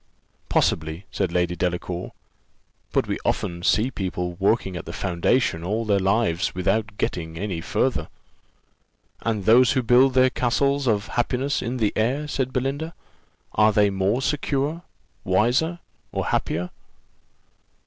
"Possibly," said Lady Delacour; "but we often see people working at the foundation all their lives without getting any farther." "And those who build their castles of happiness in the air," said Belinda, "are they more secure, wiser, or happier?"